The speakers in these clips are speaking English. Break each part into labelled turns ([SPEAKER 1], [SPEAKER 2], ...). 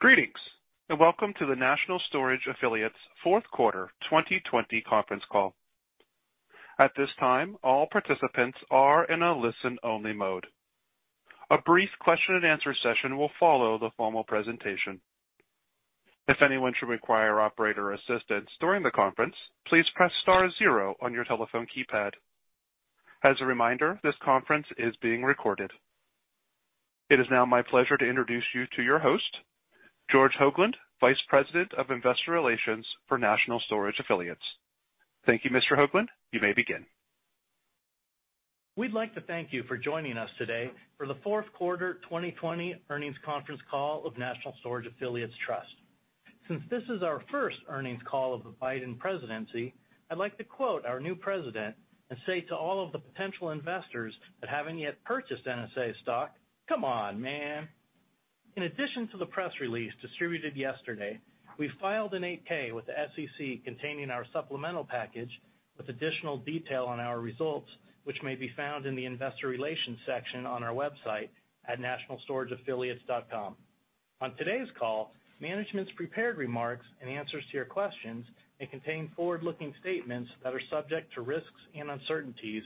[SPEAKER 1] Greetings, and welcome to the National Storage Affiliates Fourth Quarter 2020 Conference Call. At this time, all participants are in a listen-only mode. A brief question and answer session will follow the formal presentation. If anyone should require operator assistance during the conference, please press star zero on your telephone keypad. As a reminder, this conference is being recorded. It is now my pleasure to introduce you to your host, George Hoglund, Vice President of Investor Relations for National Storage Affiliates. Thank you, Mr. Hoglund. You may begin.
[SPEAKER 2] We'd like to thank you for joining us today for the fourth quarter 2020 earnings conference call of National Storage Affiliates Trust. Since this is our first earnings call of the Biden presidency, I'd like to quote our new president and say to all of the potential investors that haven't yet purchased NSA stock, "Come on, man." In addition to the press release distributed yesterday, we filed an 8-K with the SEC containing our supplemental package with additional detail on our results, which may be found in the investor relations section on our website at nationalstorageaffiliates.com. On today's call, management's prepared remarks and answers to your questions may contain forward-looking statements that are subject to risks and uncertainties,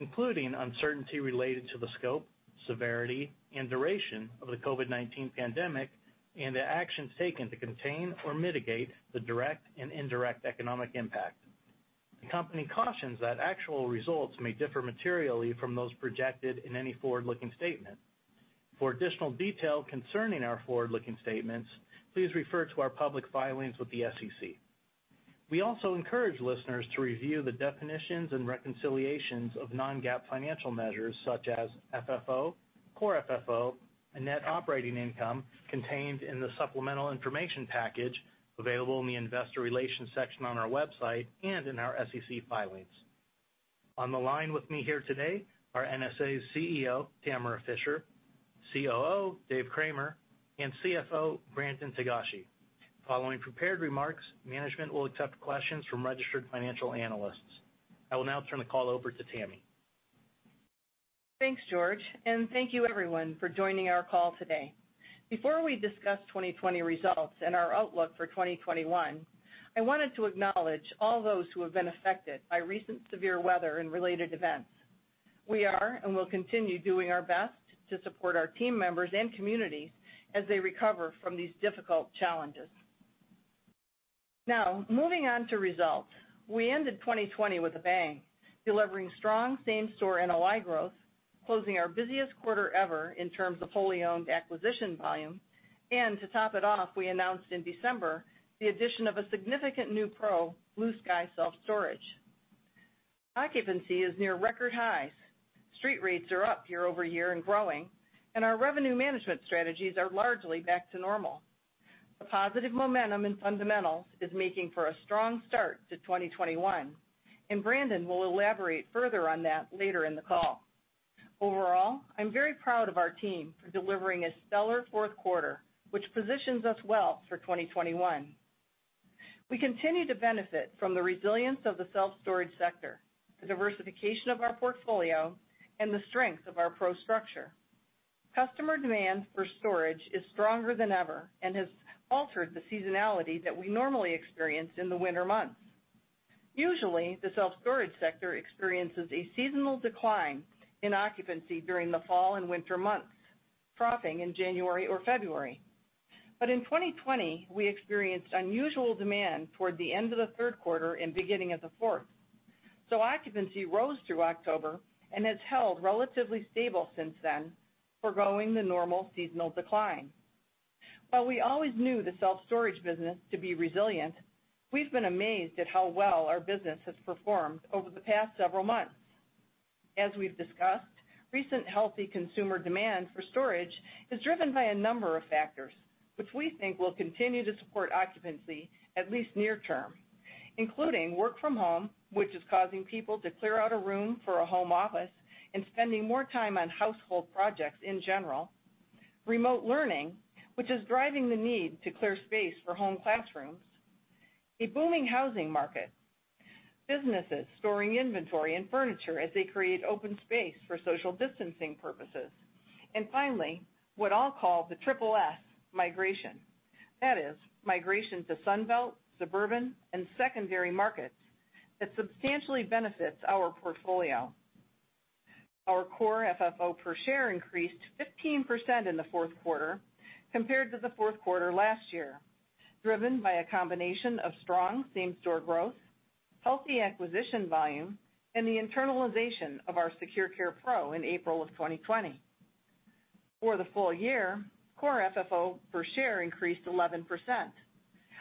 [SPEAKER 2] including uncertainty related to the scope, severity, and duration of the COVID-19 pandemic, and the actions taken to contain or mitigate the direct and indirect economic impact. The company cautions that actual results may differ materially from those projected in any forward-looking statement. For additional detail concerning our forward-looking statements, please refer to our public filings with the SEC. We also encourage listeners to review the definitions and reconciliations of non-GAAP financial measures such as funds from operations, Core FFO, and net operating income contained in the supplemental information package available in the investor relations section on our website and in our SEC filings. On the line with me here today are NSA's Chief Executive Officer, Tamara Fischer, Chief Operating Officer, Dave Cramer, and Chief Financial Officer, Brandon Togashi. Following prepared remarks, management will accept questions from registered financial analysts. I will now turn the call over to Tamara Fischer.
[SPEAKER 3] Thanks, George, and thank you everyone for joining our call today. Before we discuss 2020 results and our outlook for 2021, I wanted to acknowledge all those who have been affected by recent severe weather and related events. We are, and will continue doing our best to support our team members and communities as they recover from these difficult challenges. Moving on to results. We ended 2020 with a bang, delivering strong same-store net operating income growth, closing our busiest quarter ever in terms of wholly owned acquisition volume, and to top it off, we announced in December the addition of a significant new participating regional operator, Blue Sky Self Storage. Occupancy is near record highs. Street rates are up year-over-year and growing. Our revenue management strategies are largely back to normal. The positive momentum in fundamentals is making for a strong start to 2021. Brandon will elaborate further on that later in the call. Overall, I'm very proud of our team for delivering a stellar fourth quarter, which positions us well for 2021. We continue to benefit from the resilience of the self-storage sector, the diversification of our portfolio, and the strength of our PRO structure. Customer demand for storage is stronger than ever and has altered the seasonality that we normally experience in the winter months. Usually, the self-storage sector experiences a seasonal decline in occupancy during the fall and winter months, troughing in January or February. In 2020, we experienced unusual demand toward the end of the third quarter and beginning of the fourth. Occupancy rose through October and has held relatively stable since then, foregoing the normal seasonal decline. While we always knew the self-storage business to be resilient, we've been amazed at how well our business has performed over the past several months. As we've discussed, recent healthy consumer demand for storage is driven by a number of factors, which we think will continue to support occupancy, at least near term, including work from home, which is causing people to clear out a room for a home office and spending more time on household projects in general, remote learning, which is driving the need to clear space for home classrooms, a booming housing market, businesses storing inventory and furniture as they create open space for social distancing purposes, and finally, what I'll call the Triple S Migration. That is, migration to Sun Belt, suburban, and secondary markets that substantially benefits our portfolio. Our core FFO per share increased 15% in the fourth quarter compared to the fourth quarter last year, driven by a combination of strong same-store growth, healthy acquisition volume, and the internalization of our SecurCare PRO in April of 2020. For the full year, core FFO per share increased 11%.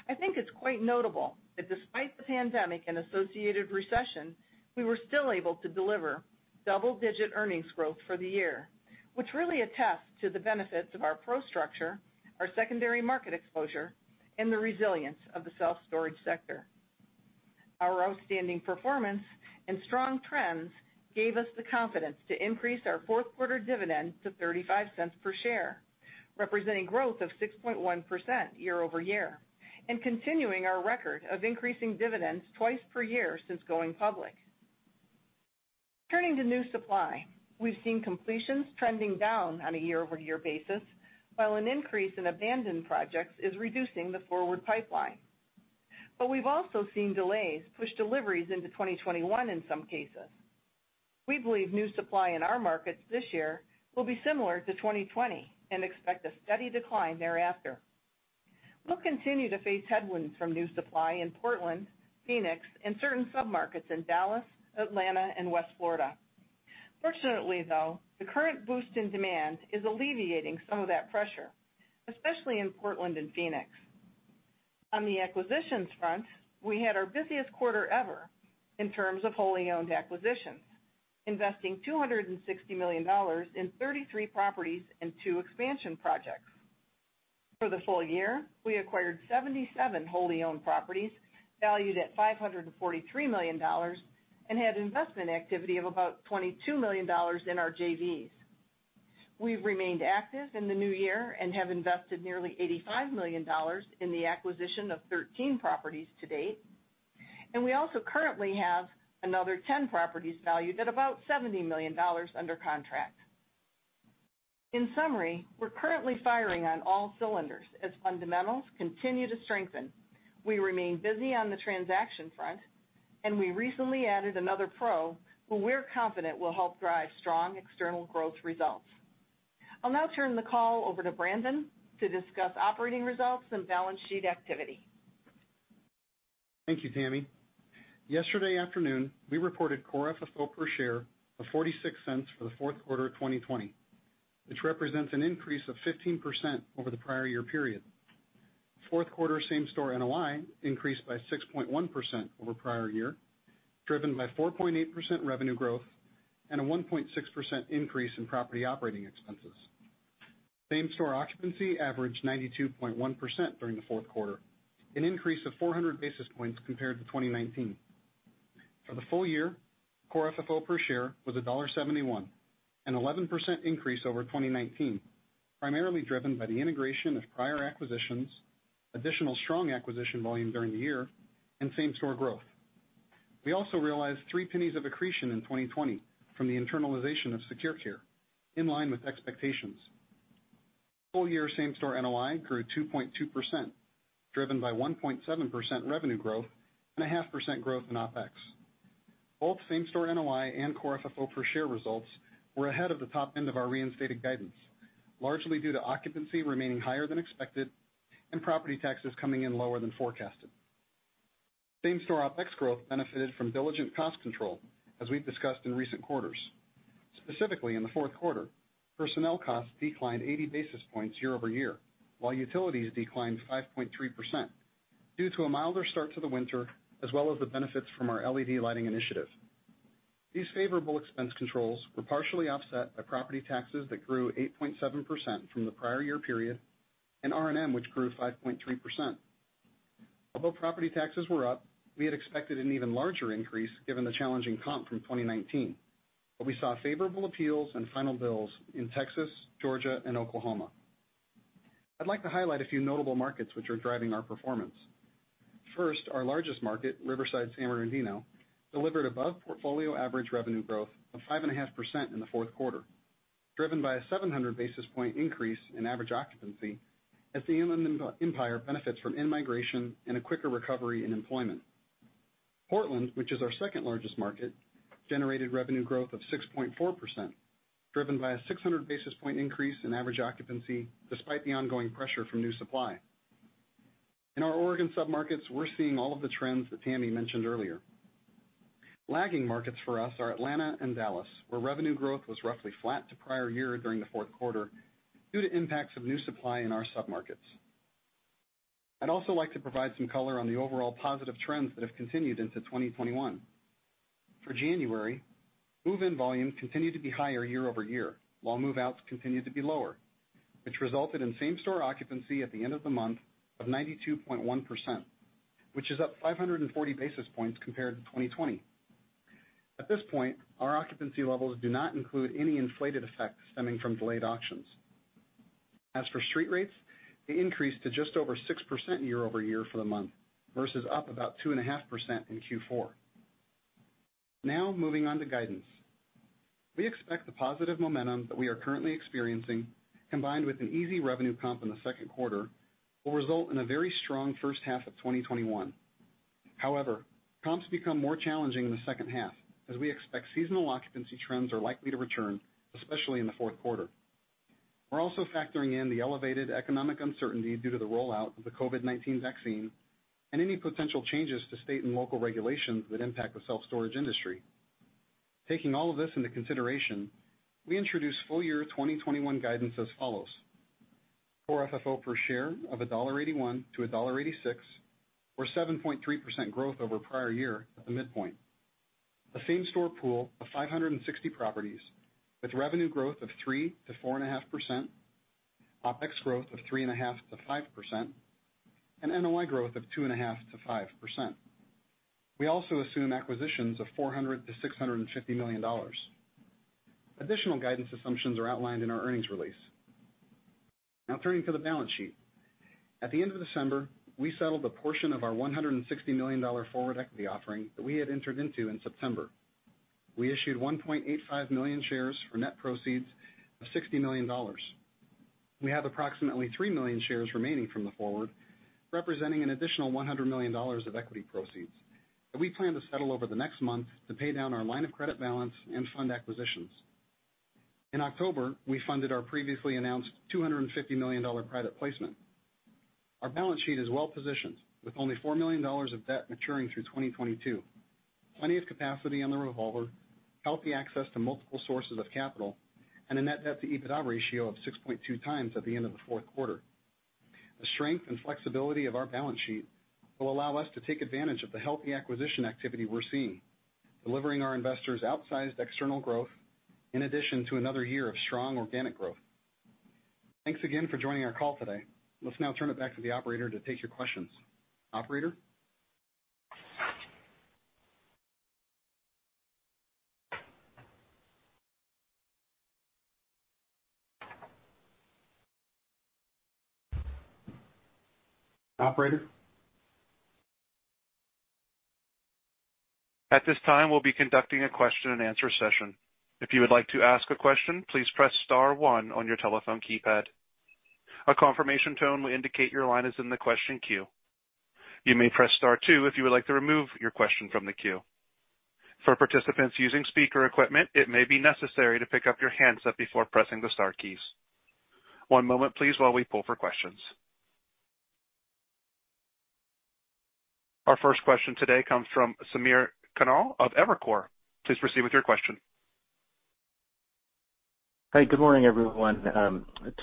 [SPEAKER 3] I think it's quite notable that despite the pandemic and associated recession, we were still able to deliver double-digit earnings growth for the year, which really attests to the benefits of our PRO structure, our secondary market exposure, and the resilience of the self-storage sector. Our outstanding performance and strong trends gave us the confidence to increase our fourth quarter dividend to $0.35 per share, representing growth of 6.1% year-over-year, and continuing our record of increasing dividends twice per year since going public. Turning to new supply, we've seen completions trending down on a year-over-year basis, while an increase in abandoned projects is reducing the forward pipeline. We've also seen delays push deliveries into 2021 in some cases. We believe new supply in our markets this year will be similar to 2020, and expect a steady decline thereafter. We'll continue to face headwinds from new supply in Portland, Phoenix, and certain submarkets in Dallas, Atlanta, and West Florida. Fortunately, though, the current boost in demand is alleviating some of that pressure, especially in Portland and Phoenix. On the acquisitions front, we had our busiest quarter ever in terms of wholly-owned acquisitions, investing $260 million in 33 properties and two expansion projects. For the full year, we acquired 77 wholly-owned properties valued at $543 million and had investment activity of about $22 million in our JVs. We've remained active in the new year and have invested nearly $85 million in the acquisition of 13 properties to date, we also currently have another 10 properties valued at about $70 million under contract. In summary, we're currently firing on all cylinders as fundamentals continue to strengthen. We remain busy on the transaction front, we recently added another PRO who we're confident will help drive strong external growth results. I'll now turn the call over to Brandon Togashi to discuss operating results and balance sheet activity.
[SPEAKER 4] Thank you, Tamara. Yesterday afternoon, we reported core FFO per share of $0.46 for the fourth quarter of 2020, which represents an increase of 15% over the prior year period. Fourth quarter same-store NOI increased by 6.1% over prior year, driven by 4.8% revenue growth and a 1.6% increase in property operating expenses. Same-store occupancy averaged 92.1% during the fourth quarter, an increase of 400 basis points compared to 2019. For the full year, core FFO per share was $1.71, an 11% increase over 2019, primarily driven by the integration of prior acquisitions, additional strong acquisition volume during the year, and same-store growth. We also realized $0.03 of accretion in 2020 from the internalization of SecurCare, in line with expectations. Full-year same-store NOI grew 2.2%, driven by 1.7% revenue growth and a 0.5% growth in OpEx. Both same-store NOI and core FFO per share results were ahead of the top end of our reinstated guidance, largely due to occupancy remaining higher than expected and property taxes coming in lower than forecasted. Same-store OpEx growth benefited from diligent cost control, as we've discussed in recent quarters. Specifically in the fourth quarter, personnel costs declined 80 basis points year-over-year, while utilities declined 5.3% due to a milder start to the winter, as well as the benefits from our LED lighting initiative. These favorable expense controls were partially offset by property taxes that grew 8.7% from the prior year period and R&M, which grew 5.3%. Although property taxes were up, we had expected an even larger increase given the challenging comp from 2019, but we saw favorable appeals and final bills in Texas, Georgia, and Oklahoma. I'd like to highlight a few notable markets which are driving our performance. First, our largest market, Riverside/San Bernardino, delivered above portfolio average revenue growth of 5.5% in the fourth quarter, driven by a 700 basis points increase in average occupancy as the Inland Empire benefits from in-migration and a quicker recovery in employment. Portland, which is our second-largest market, generated revenue growth of 6.4%, driven by a 600 basis points increase in average occupancy despite the ongoing pressure from new supply. In our Oregon submarkets, we're seeing all of the trends that Tamara mentioned earlier. Lagging markets for us are Atlanta and Dallas, where revenue growth was roughly flat to prior year during the fourth quarter due to impacts of new supply in our submarkets. I'd also like to provide some color on the overall positive trends that have continued into 2021. For January, move-in volume continued to be higher year-over-year, while move-outs continued to be lower, which resulted in same-store occupancy at the end of the month of 92.1%, which is up 540 basis points compared to 2020. At this point, our occupancy levels do not include any inflated effects stemming from delayed auctions. As for street rates, they increased to just over 6% year-over-year for the month, versus up about 2.5% in Q4. Now, moving on to guidance. We expect the positive momentum that we are currently experiencing, combined with an easy revenue comp in the second quarter, will result in a very strong first half of 2021. However, comps become more challenging in the second half as we expect seasonal occupancy trends are likely to return, especially in the fourth quarter. We're also factoring in the elevated economic uncertainty due to the rollout of the COVID-19 vaccine and any potential changes to state and local regulations that impact the self-storage industry. Taking all of this into consideration, we introduce full-year 2021 guidance as follows: Core FFO per share of $1.81 to $1.86, or 7.3% growth over prior year at the midpoint, a same-store pool of 560 properties with revenue growth of 3%-4.5%, OpEx growth of 3.5%-5%, and NOI growth of 2.5%-5%. We also assume acquisitions of $400 million-$650 million. Additional guidance assumptions are outlined in our earnings release. Turning to the balance sheet. At the end of December, we settled a portion of our $160 million forward equity offering that we had entered into in September. We issued 1.85 million shares for net proceeds of $60 million. We have approximately 3 million shares remaining from the forward, representing an additional $100 million of equity proceeds that we plan to settle over the next month to pay down our line of credit balance and fund acquisitions. In October, we funded our previously announced $250 million private placement. Our balance sheet is well-positioned with only $4 million of debt maturing through 2022, plenty of capacity on the revolver, healthy access to multiple sources of capital, and a net debt to EBITDA ratio of 6.2x at the end of the fourth quarter. The strength and flexibility of our balance sheet will allow us to take advantage of the healthy acquisition activity we're seeing, delivering our investors outsized external growth in addition to another year of strong organic growth. Thanks again for joining our call today. Let's now turn it back to the operator to take your questions. Operator? Operator?
[SPEAKER 1] At this time, we'll be conducting a question and answer session. If you would like to ask a question, please press star one on your telephone keypad. A confirmation tone will indicate your line is in the question queue. You may press star two if you would like to remove your question from the queue. For participants using speaker equipment, it may be necessary to pick up your handset before pressing the star keys. One moment please while we pull for questions. Our first question today comes from Samir Khanal of Evercore. Please proceed with your question.
[SPEAKER 5] Hey, good morning, everyone.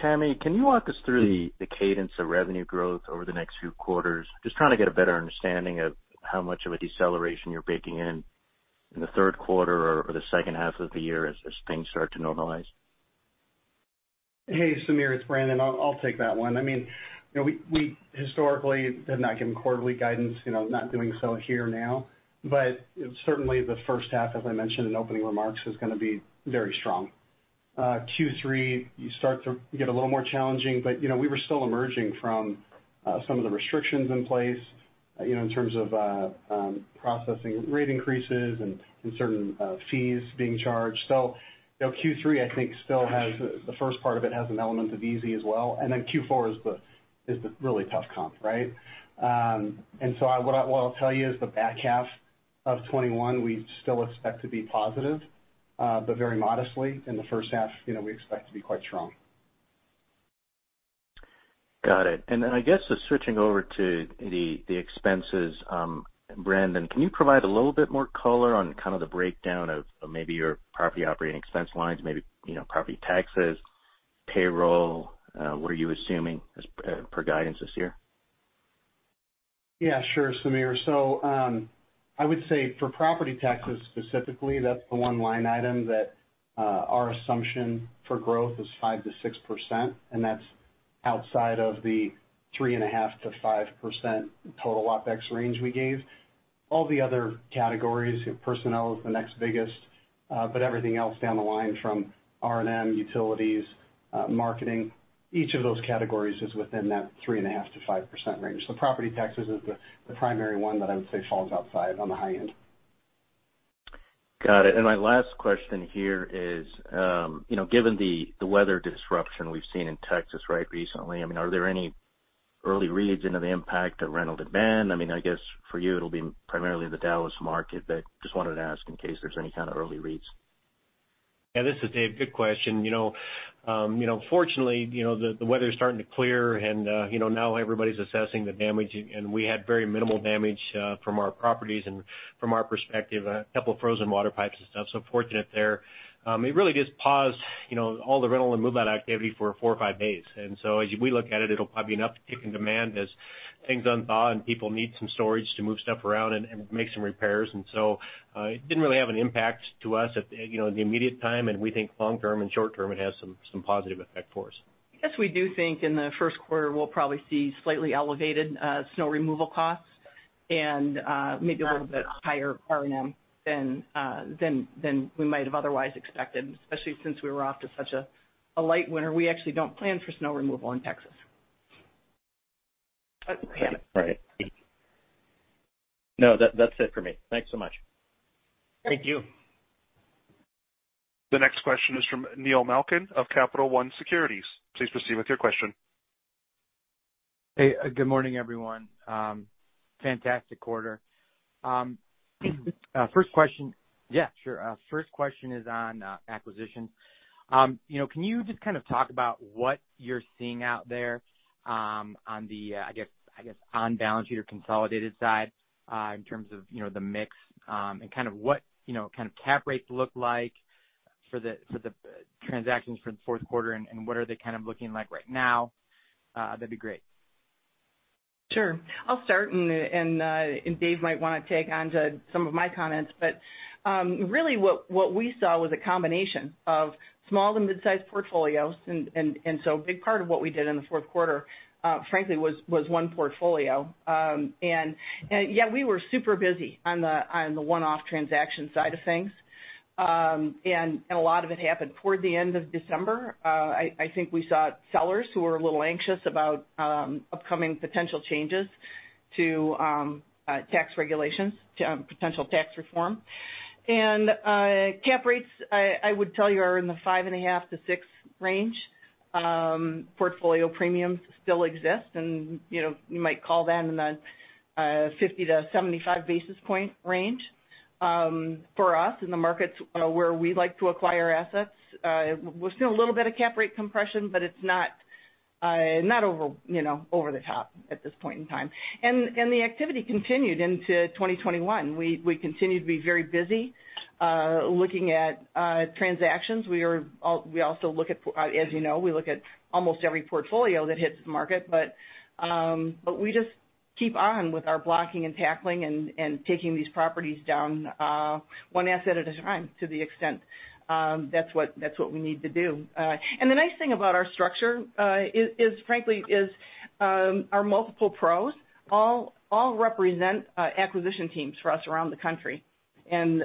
[SPEAKER 5] Tamara, can you walk us through the cadence of revenue growth over the next few quarters? Just trying to get a better understanding of how much of a deceleration you're baking in in the third quarter or the second half of the year as things start to normalize.
[SPEAKER 4] Hey, Samir, it's Brandon. I'll take that one. We historically have not given quarterly guidance, not doing so here now. Certainly the first half, as I mentioned in opening remarks, is going to be very strong. Q3, you start to get a little more challenging. We were still emerging from some of the restrictions in place in terms of processing rate increases and certain fees being charged. Q3, I think still has the first part of it has an element of easy as well. Then Q4 is the really tough comp, right? What I'll tell you is the back half of 2021, we still expect to be positive but very modestly. In the first half, we expect to be quite strong.
[SPEAKER 5] Got it. I guess just switching over to the expenses, Brandon, can you provide a little bit more color on kind of the breakdown of maybe your property operating expense lines, maybe property taxes, payroll? What are you assuming as per guidance this year?
[SPEAKER 4] Sure, Samir. I would say for property taxes specifically, that's the one line item that our assumption for growth is 5%-6%, and that's outside of the 3.5%-5% total OpEx range we gave. All the other categories, personnel is the next biggest, but everything else down the line from R&M, utilities, marketing, each of those categories is within that 3.5%-5% range. Property taxes is the primary one that I would say falls outside on the high end.
[SPEAKER 5] Got it. My last question here is given the weather disruption we've seen in Texas right recently, are there any early reads into the impact of rental demand? I guess for you it'll be primarily the Dallas market, but just wanted to ask in case there's any kind of early reads.
[SPEAKER 6] Yeah, this is Dave. Good question. Fortunately, the weather's starting to clear, now everybody's assessing the damage, and we had very minimal damage from our properties and from our perspective, a couple of frozen water pipes and stuff, so fortunate there. It really just paused all the rental and move-out activity for four or five days. As we look at it'll probably be an uptick in demand as things unthaw and people need some storage to move stuff around and make some repairs. It didn't really have an impact to us at the immediate time, and we think long term and short term, it has some positive effect for us.
[SPEAKER 4] I guess we do think in the first quarter we'll probably see slightly elevated snow removal costs and maybe a little bit higher R&M than we might have otherwise expected, especially since we were off to such a light winter. We actually don't plan for snow removal in Texas.
[SPEAKER 5] Got it. All right. No, that's it for me. Thanks so much.
[SPEAKER 4] Thank you.
[SPEAKER 1] The next question is from Neil Malkin of Capital One Securities. Please proceed with your question.
[SPEAKER 7] Hey, good morning, everyone. Fantastic quarter. First question is on acquisitions. Can you just kind of talk about what you're seeing out there on the, I guess, on-balance sheet or consolidated side in terms of the mix and kind of what kind of cap rates look like for the transactions for the fourth quarter, and what are they kind of looking like right now? That'd be great.
[SPEAKER 3] Sure. I'll start, and Dave might want to tag on to some of my comments. Really what we saw was a combination of small to mid-size portfolios, and so a big part of what we did in the fourth quarter frankly was one portfolio. Yet we were super busy on the one-off transaction side of things. A lot of it happened toward the end of December. I think we saw sellers who were a little anxious about upcoming potential changes to tax regulations, potential tax reform. Cap rates, I would tell you, are in the 5.5%-6% range. Portfolio premiums still exist, and you might call that in a 50 basis points-75 basis points range. For us in the markets where we like to acquire assets, we're seeing a little bit of cap rate compression, but it's not over the top at this point in time. The activity continued into 2021. We continue to be very busy looking at transactions. As you know, we look at almost every portfolio that hits the market, but we just keep on with our blocking and tackling and taking these properties down one asset at a time to the extent that's what we need to do. The nice thing about our structure is, frankly, our multiple PROs all represent acquisition teams for us around the country, and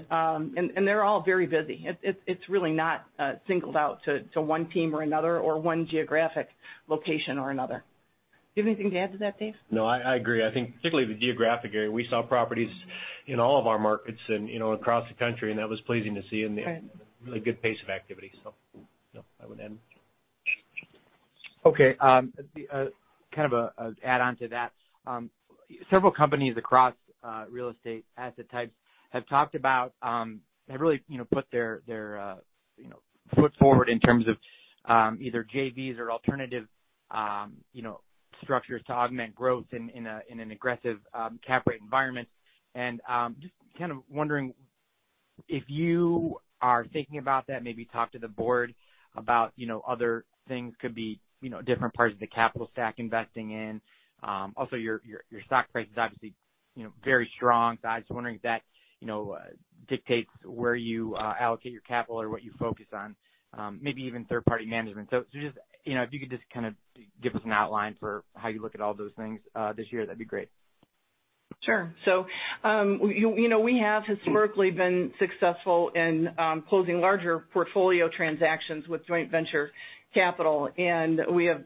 [SPEAKER 3] they're all very busy. It's really not singled out to one team or another, or one geographic location or another. Do you have anything to add to that, Dave?
[SPEAKER 6] No, I agree. I think particularly the geographic area. We saw properties in all of our markets and across the country, and that was pleasing to see.
[SPEAKER 3] Right.
[SPEAKER 6] A really good pace of activity. I would end.
[SPEAKER 7] Okay. Kind of an add-on to that. Several companies across real estate asset types have really put their foot forward in terms of either joint ventures or alternative structures to augment growth in an aggressive cap rate environment. Just kind of wondering if you are thinking about that, maybe talk to the board about other things, could be different parts of the capital stack investing in. Your stock price is obviously very strong. I was just wondering if that dictates where you allocate your capital or what you focus on, maybe even third-party management. If you could just kind of give us an outline for how you look at all those things this year, that'd be great.
[SPEAKER 3] Sure. We have historically been successful in closing larger portfolio transactions with joint venture capital, and we have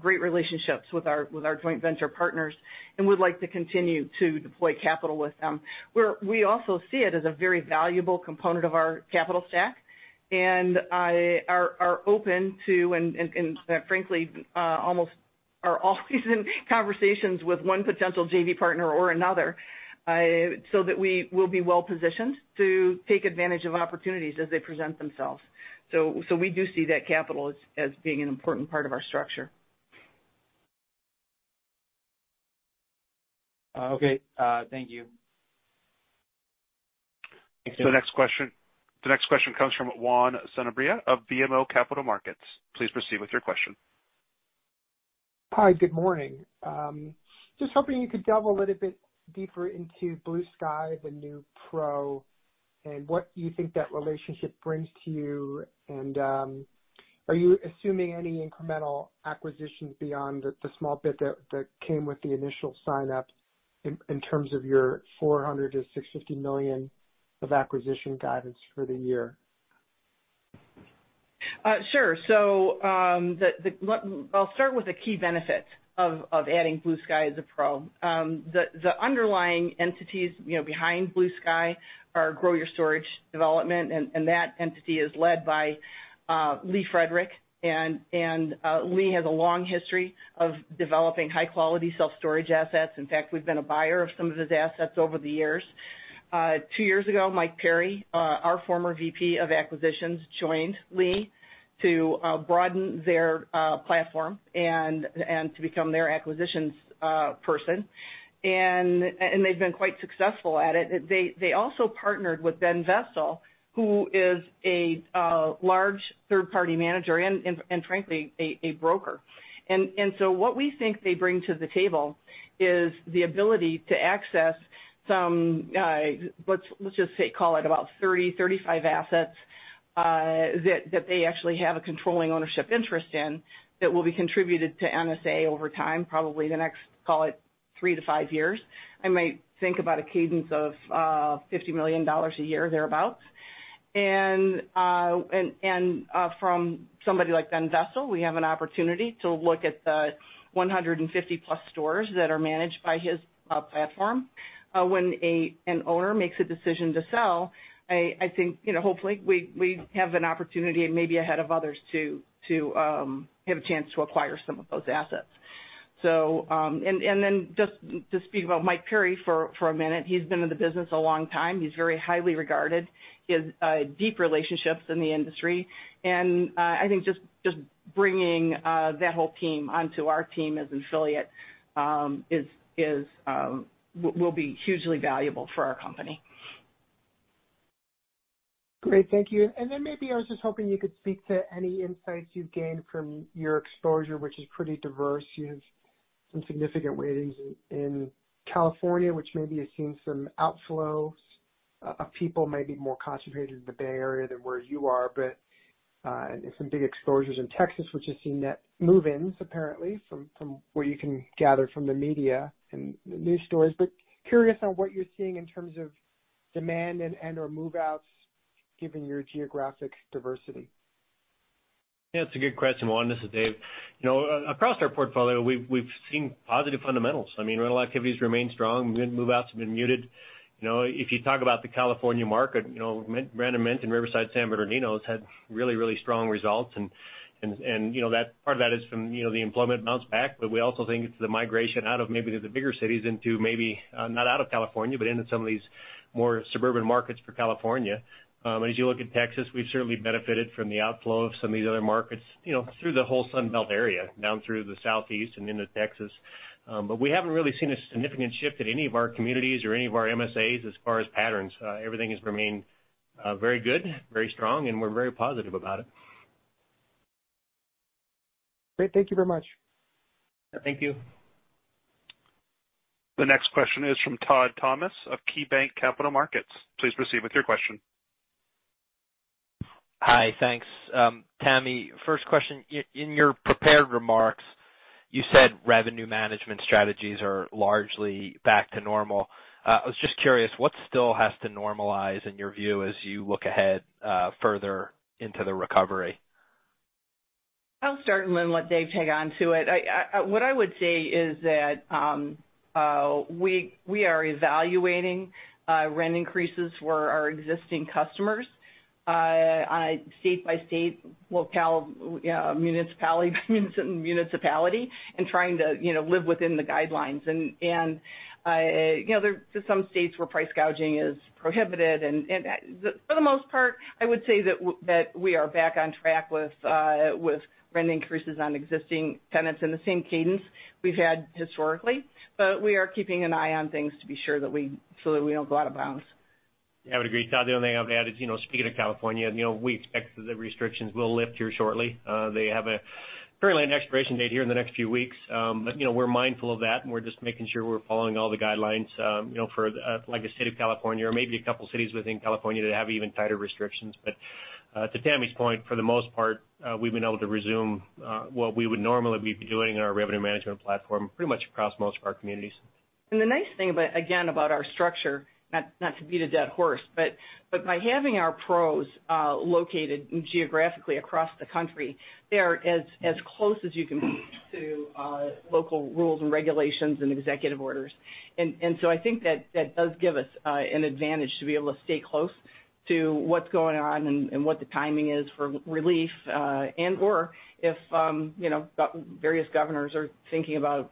[SPEAKER 3] great relationships with our joint venture partners and would like to continue to deploy capital with them. We also see it as a very valuable component of our capital stack, and are open to, and frankly, almost are always in conversations with one potential JV partner or another so that we will be well-positioned to take advantage of opportunities as they present themselves. We do see that capital as being an important part of our structure.
[SPEAKER 7] Okay. Thank you.
[SPEAKER 1] The next question comes from Juan Sanabria of BMO Capital Markets. Please proceed with your question.
[SPEAKER 8] Hi. Good morning. Just hoping you could delve a little bit deeper into Blue Sky, the new PRO, and what you think that relationship brings to you. Are you assuming any incremental acquisitions beyond the small bit that came with the initial sign-up in terms of your $400 million-$650 million of acquisition guidance for the year?
[SPEAKER 3] I'll start with the key benefits of adding Blue Sky as a PRO. The underlying entities behind Blue Sky are GYS Development, and that entity is led by Lee Fredrick. Lee has a long history of developing high-quality self-storage assets. In fact, we've been a buyer of some of his assets over the years. Two years ago, Mike Perry, our former VP of acquisitions, joined Lee to broaden their platform and to become their acquisitions person. They've been quite successful at it. They also partnered with Ben Vestal, who is a large third-party manager and frankly, a broker. What we think they bring to the table is the ability to access some, let's just say, call it about 30, 35 assets that they actually have a controlling ownership interest in that will be contributed to NSA over time, probably the next, call it three to five years. I might think about a cadence of $50 million a year, thereabout. From somebody like Ben Vestal, we have an opportunity to look at the 150+ stores that are managed by his platform. When an owner makes a decision to sell, I think hopefully we have an opportunity maybe ahead of others to have a chance to acquire some of those assets. Just to speak about Mike Perry for a minute. He's been in the business a long time. He's very highly regarded. He has deep relationships in the industry, and I think just bringing that whole team onto our team as an affiliate will be hugely valuable for our company.
[SPEAKER 8] Great. Thank you. Then maybe I was just hoping you could speak to any insights you've gained from your exposure, which is pretty diverse. You have some significant weightings in California, which maybe has seen some outflows of people, maybe more concentrated in the Bay Area than where you are. Some big exposures in Texas, which has seen net move-ins apparently, from what you can gather from the media and the news stories. Curious on what you're seeing in terms of demand and/or move-outs given your geographic diversity.
[SPEAKER 6] Yeah, it's a good question, Juan. This is Dave. Across our portfolio, we've seen positive fundamentals. Rental activities remain strong. Move-outs have been muted. If you talk about the California market, rent momentum in Riverside, San Bernardino has had really strong results. Part of that is from the employment bounce back, but we also think it's the migration out of maybe the bigger cities into maybe not out of California, but into some of these more suburban markets for California. As you look at Texas, we've certainly benefited from the outflow of some of these other markets, through the whole Sun Belt area, down through the Southeast and into Texas. We haven't really seen a significant shift at any of our communities or any of our metropolitan statistical areas as far as patterns. Everything has remained very good, very strong, and we're very positive about it.
[SPEAKER 8] Great. Thank you very much.
[SPEAKER 6] Thank you.
[SPEAKER 1] The next question is from Todd Thomas of KeyBanc Capital Markets. Please proceed with your question.
[SPEAKER 9] Hi, thanks. Tamara, first question. In your prepared remarks, you said revenue management strategies are largely back to normal. I was just curious, what still has to normalize in your view as you look ahead further into the recovery?
[SPEAKER 3] I'll start and then let Dave tag onto it. What I would say is that we are evaluating rent increases for our existing customers state by state, locale, municipality by municipality, and trying to live within the guidelines. There are some states where price gouging is prohibited, and for the most part, I would say that we are back on track with rent increases on existing tenants in the same cadence we've had historically. We are keeping an eye on things to be sure so that we don't go out of bounds.
[SPEAKER 6] Yeah, I would agree, Todd. The only thing I would add is, speaking of California, we expect that the restrictions will lift here shortly. They have apparently an expiration date here in the next few weeks. We're mindful of that, and we're just making sure we're following all the guidelines for the state of California or maybe a couple cities within California that have even tighter restrictions. To Tamara's point, for the most part, we've been able to resume what we would normally be doing in our revenue management platform pretty much across most of our communities.
[SPEAKER 3] The nice thing, again, about our structure, not to beat a dead horse, but by having our PROs located geographically across the country, they are as close as you can be to local rules and regulations and executive orders. I think that does give us an advantage to be able to stay close to what's going on and what the timing is for relief, and/or if various governors are thinking about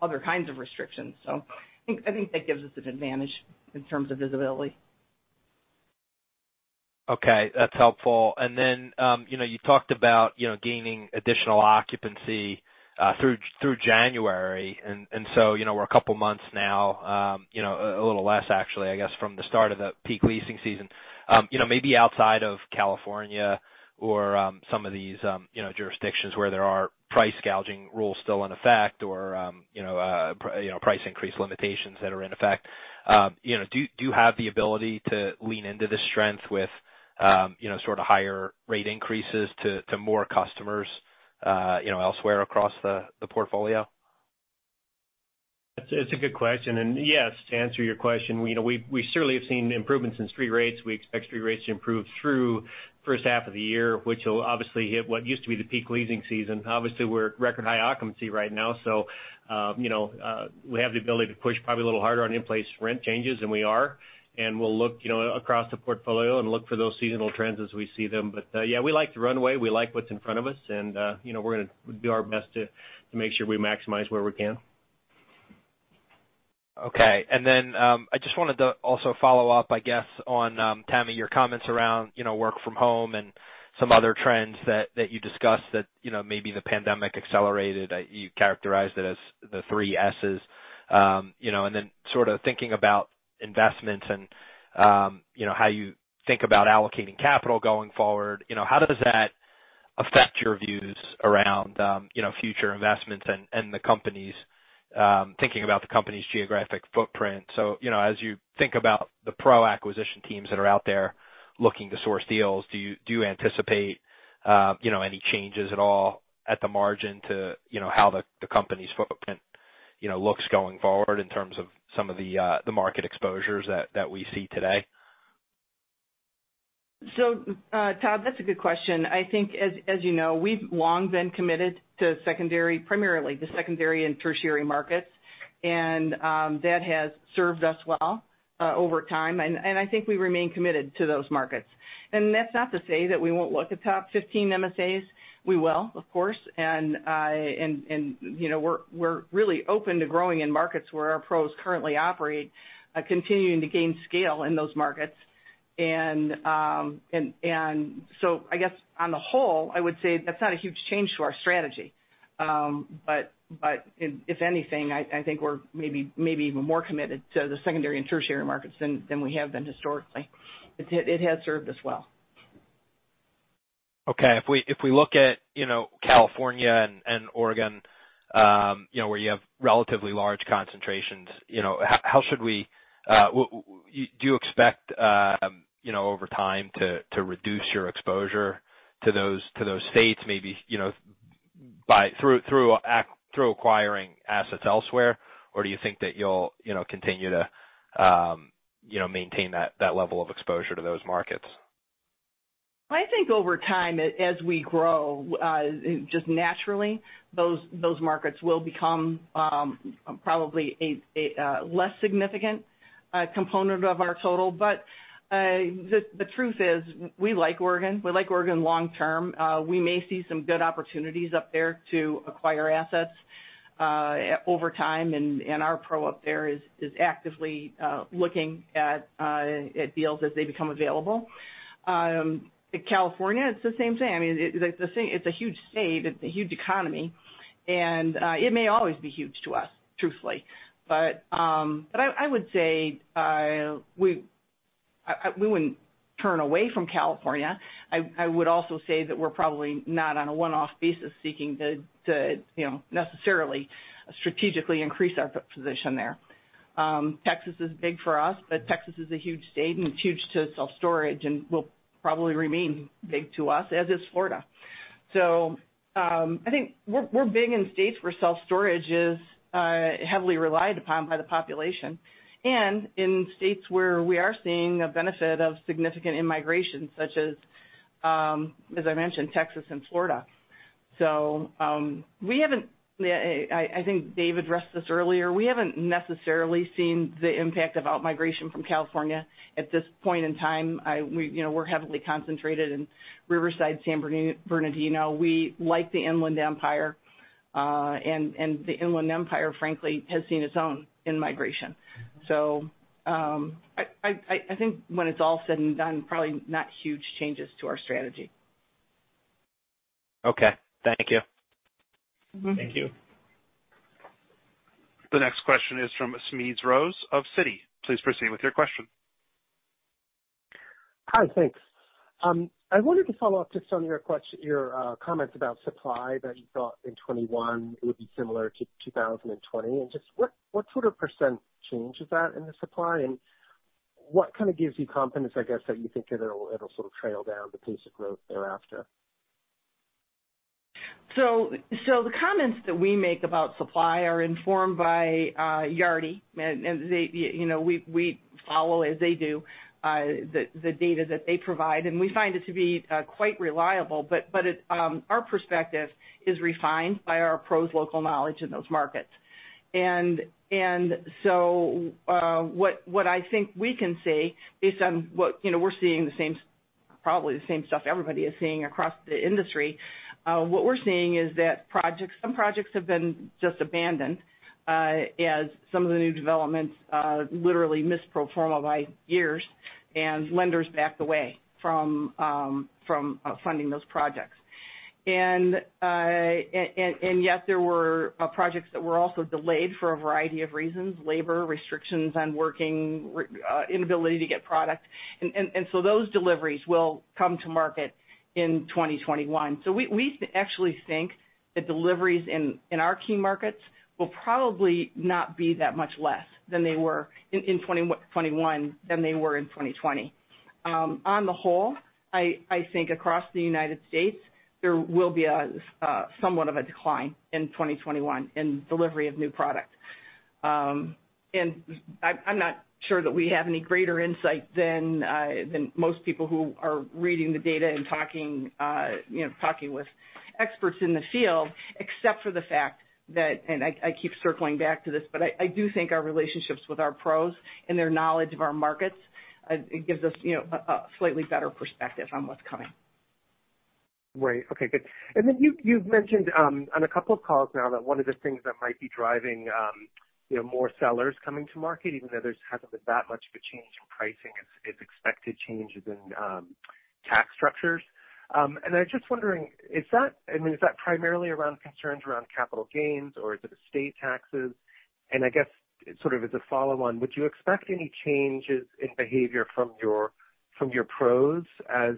[SPEAKER 3] other kinds of restrictions. I think that gives us an advantage in terms of visibility.
[SPEAKER 9] Okay, that's helpful. You talked about gaining additional occupancy through January, and so we're a couple of months now, a little less actually, I guess, from the start of the peak leasing season. Maybe outside of California or some of these jurisdictions where there are price gouging rules still in effect or price increase limitations that are in effect. Do you have the ability to lean into the strength with sort of higher rate increases to more customers elsewhere across the portfolio?
[SPEAKER 6] It's a good question. Yes, to answer your question, we certainly have seen improvements in street rates. We expect street rates to improve through the first half of the year, which will obviously hit what used to be the peak leasing season. Obviously, we're at record-high occupancy right now, so we have the ability to push probably a little harder on in-place rent changes, and we are. We'll look across the portfolio and look for those seasonal trends as we see them. Yeah, we like the runway. We like what's in front of us, and we're going to do our best to make sure we maximize where we can.
[SPEAKER 9] Okay. I just wanted to also follow up, I guess, on Tamara, your comments around work from home and some other trends that you discussed that maybe the pandemic accelerated. You characterized it as the Three S's. Sort of thinking about investments and how you think about allocating capital going forward. How does that affect your views around future investments and thinking about the company's geographic footprint? As you think about the pro acquisition teams that are out there looking to source deals, do you anticipate any changes at all at the margin to how the company's footprint looks going forward in terms of some of the market exposures that we see today?
[SPEAKER 3] Todd, that's a good question. I think, as you know, we've long been committed to primarily the secondary and tertiary markets, and that has served us well over time, and I think we remain committed to those markets. That's not to say that we won't look at top 15 MSAs. We will, of course. We're really open to growing in markets where our pros currently operate, continuing to gain scale in those markets. I guess on the whole, I would say that's not a huge change to our strategy. If anything, I think we're maybe even more committed to the secondary and tertiary markets than we have been historically. It has served us well.
[SPEAKER 9] Okay. If we look at California and Oregon, where you have relatively large concentrations, do you expect over time to reduce your exposure to those states maybe- through acquiring assets elsewhere, or do you think that you'll continue to maintain that level of exposure to those markets?
[SPEAKER 3] I think over time, as we grow, just naturally, those markets will become probably a less significant component of our total. The truth is, we like Oregon. We like Oregon long-term. We may see some good opportunities up there to acquire assets over time, and our pro up there is actively looking at deals as they become available. In California, it's the same thing. It's a huge state. It's a huge economy, and it may always be huge to us, truthfully. I would say we wouldn't turn away from California. I would also say that we're probably not on a one-off basis seeking to necessarily strategically increase our position there. Texas is big for us, but Texas is a huge state, and it's huge to self-storage and will probably remain big to us, as is Florida. I think we're big in states where self-storage is heavily relied upon by the population and in states where we are seeing a benefit of significant in-migration, such as I mentioned, Texas and Florida. I think Dave addressed this earlier. We haven't necessarily seen the impact of outmigration from California at this point in time. We're heavily concentrated in Riverside, San Bernardino. We like the Inland Empire, and the Inland Empire, frankly, has seen its own in-migration. I think when it's all said and done, probably not huge changes to our strategy.
[SPEAKER 9] Okay. Thank you.
[SPEAKER 6] Thank you.
[SPEAKER 1] The next question is from Smedes Rose of Citi. Please proceed with your question.
[SPEAKER 10] Hi, thanks. I wanted to follow up just on your comments about supply that you thought in 2021 it would be similar to 2020, and just what sort of percent change is that in the supply, and what kind of gives you confidence, I guess, that you think it'll sort of trail down the pace of growth thereafter?
[SPEAKER 3] The comments that we make about supply are informed by Yardi, and we follow, as they do, the data that they provide, and we find it to be quite reliable. Our perspective is refined by our PROs' local knowledge in those markets. What I think we can say based on what we're seeing, probably the same stuff everybody is seeing across the industry, what we're seeing is that some projects have been just abandoned as some of the new developments literally missed pro forma by years and lenders backed away from funding those projects. Yet there were projects that were also delayed for a variety of reasons, labor restrictions on working, inability to get product, those deliveries will come to market in 2021. We actually think the deliveries in our key markets will probably not be that much less in 2021 than they were in 2020. On the whole, I think across the U.S., there will be somewhat of a decline in 2021 in delivery of new product. I'm not sure that we have any greater insight than most people who are reading the data and talking with experts in the field, except for the fact that, and I keep circling back to this, but I do think our relationships with our PROs and their knowledge of our markets gives us a slightly better perspective on what's coming.
[SPEAKER 10] Right. Okay, good. You've mentioned on a couple of calls now that one of the things that might be driving more sellers coming to market, even though there hasn't been that much of a change in pricing, is expected changes in tax structures. I'm just wondering, is that primarily around concerns around capital gains, or is it estate taxes? I guess sort of as a follow-on, would you expect any changes in behavior from your pros as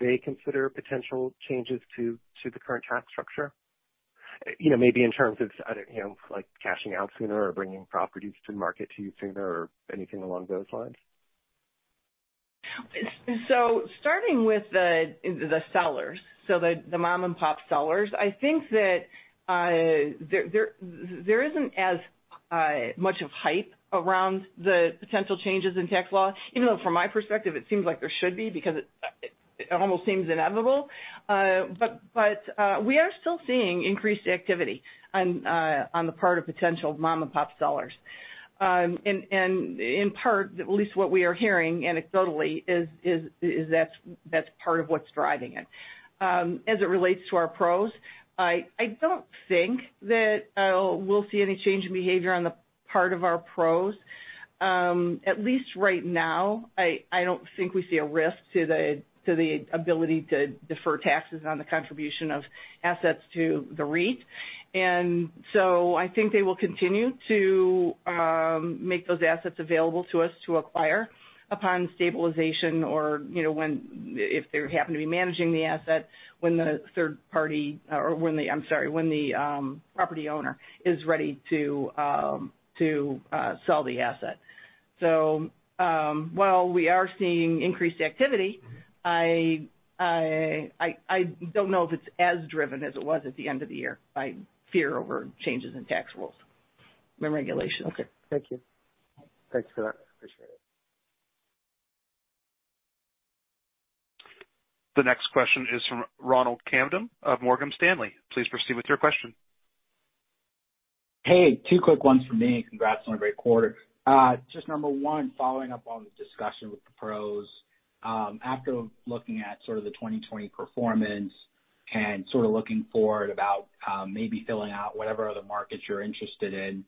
[SPEAKER 10] they consider potential changes to the current tax structure? Maybe in terms of cashing out sooner or bringing properties to market to you sooner or anything along those lines.
[SPEAKER 3] Starting with the sellers, so the mom-and-pop sellers, I think that there isn't as much of hype around the potential changes in tax law, even though from my perspective it seems like there should be because it almost seems inevitable. We are still seeing increased activity on the part of potential mom-and-pop sellers. In part, at least what we are hearing anecdotally is that's part of what's driving it. As it relates to our pros, I don't think that we'll see any change in behavior on the part of our pros. At least right now, I don't think we see a risk to the ability to defer taxes on the contribution of assets to the REIT. I think they will continue to make those assets available to us to acquire upon stabilization or if they happen to be managing the asset when the property owner is ready to sell the asset. While we are seeing increased activity, I don't know if it's as driven as it was at the end of the year by fear over changes in tax rules from regulation.
[SPEAKER 10] Okay. Thank you. Thanks for that. Appreciate it.
[SPEAKER 1] The next question is from Ronald Kamdem of Morgan Stanley. Please proceed with your question.
[SPEAKER 11] Hey, two quick ones from me. Congrats on a great quarter. Just number one, following up on the discussion with the PROs. After looking at sort of the 2020 performance and sort of looking forward about maybe filling out whatever other markets you're interested in,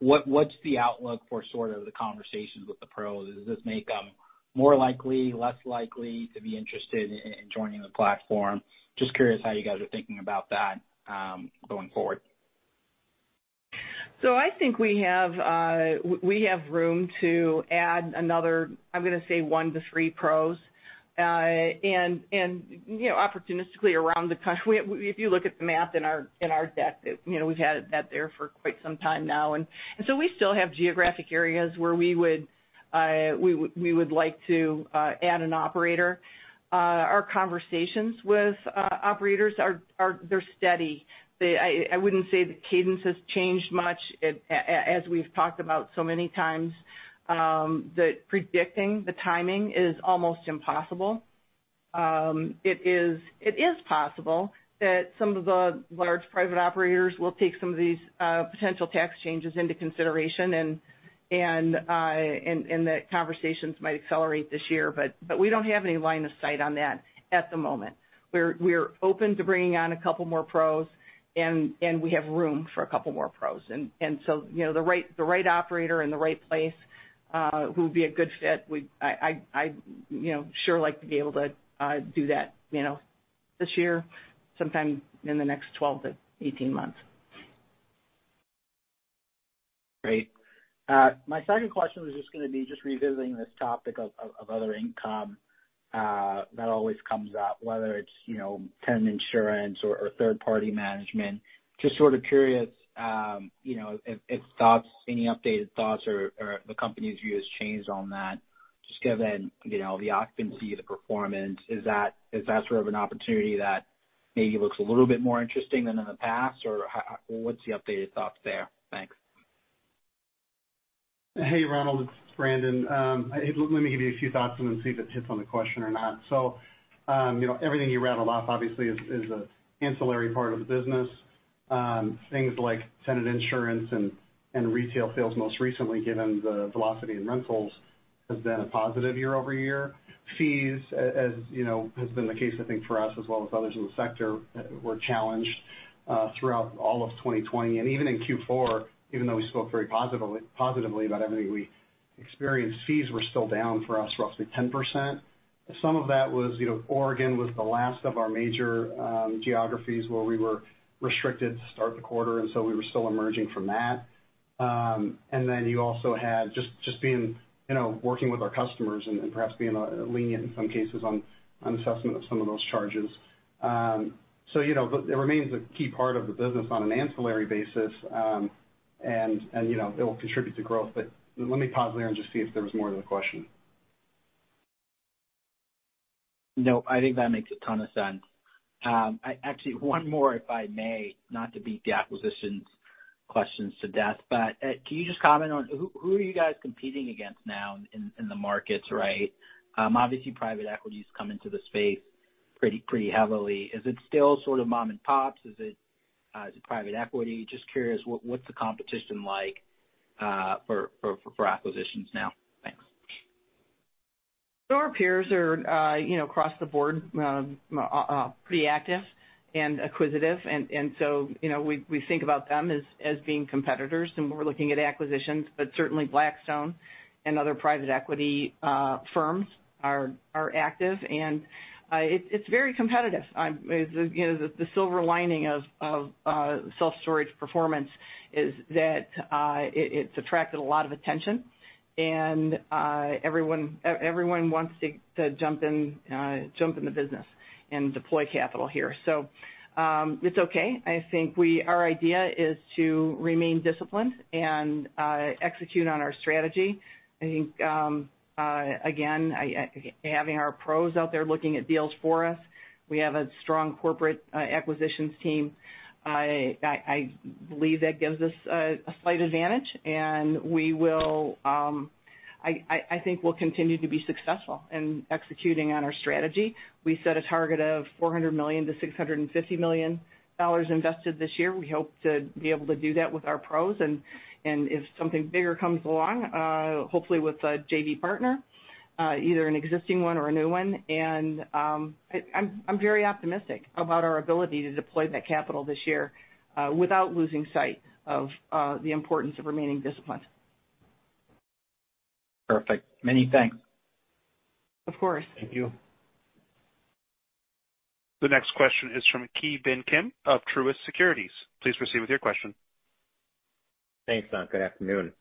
[SPEAKER 11] what's the outlook for sort of the conversations with the PROs? Does this make them more likely, less likely to be interested in joining the platform? Just curious how you guys are thinking about that going forward
[SPEAKER 3] I think we have room to add another, I'm going to say one to three PROs, and opportunistically around the country. If you look at the map in our deck, we've had that there for quite some time now, we still have geographic areas where we would like to add an operator. Our conversations with operators are steady. I wouldn't say the cadence has changed much. As we've talked about so many times, that predicting the timing is almost impossible. It is possible that some of the large private operators will take some of these potential tax changes into consideration, and that conversations might accelerate this year. We don't have any line of sight on that at the moment. We're open to bringing on a couple more PROs, and we have room for a couple more PROs. The right operator in the right place who would be a good fit, I'd sure like to be able to do that this year, sometime in the next 12-18 months.
[SPEAKER 11] Great. My second question was just going to be just revisiting this topic of other income that always comes up, whether it's tenant insurance or third-party management. Just sort of curious if thoughts, any updated thoughts, or the company's view has changed on that, just given the occupancy, the performance. Is that sort of an opportunity that maybe looks a little bit more interesting than in the past, or what's the updated thoughts there? Thanks.
[SPEAKER 4] Hey, Ronald, it's Brandon. Let me give you a few thoughts and then see if it hits on the question or not. Everything you rattled off obviously is an ancillary part of the business. Things like tenant insurance and retail sales, most recently, given the velocity in rentals, has been a positive year-over-year. Fees, as has been the case, I think, for us as well as others in the sector, were challenged throughout all of 2020. Even in Q4, even though we spoke very positively about everything we experienced, fees were still down for us roughly 10%. Some of that was Oregon was the last of our major geographies where we were restricted to start the quarter, we were still emerging from that. You also had just being working with our customers and perhaps being lenient in some cases on assessment of some of those charges. It remains a key part of the business on an ancillary basis, and it will contribute to growth. Let me pause there and just see if there was more to the question.
[SPEAKER 11] No, I think that makes a ton of sense. Actually, one more, if I may, not to beat the acquisitions questions to death, but can you just comment on who are you guys competing against now in the markets, right? Obviously, private equity's come into the space pretty heavily. Is it still sort of mom and pops? Is it private equity? Just curious, what's the competition like for acquisitions now? Thanks.
[SPEAKER 3] Our peers are across the board pretty active and acquisitive, we think about them as being competitors when we're looking at acquisitions. Certainly Blackstone and other private equity firms are active, and it's very competitive. The silver lining of self-storage performance is that it's attracted a lot of attention and everyone wants to jump in the business and deploy capital here. It's okay. I think our idea is to remain disciplined and execute on our strategy. I think, again, having our PROs out there looking at deals for us, we have a strong corporate acquisitions team. I believe that gives us a slight advantage, and I think we'll continue to be successful in executing on our strategy. We set a target of $400 million-$650 million invested this year. We hope to be able to do that with our PROs, and if something bigger comes along, hopefully with a JV partner, either an existing one or a new one. I'm very optimistic about our ability to deploy that capital this year without losing sight of the importance of remaining disciplined.
[SPEAKER 11] Perfect. Many thanks.
[SPEAKER 3] Of course.
[SPEAKER 4] Thank you.
[SPEAKER 1] The next question is from Ki Bin Kim of Truist Securities. Please proceed with your question.
[SPEAKER 12] Thanks. Good afternoon.